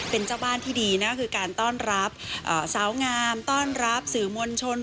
เป็นเจ้าบ้านที่ดีนะคือการต้อนรับสาวงามต้อนรับสื่อมวลชน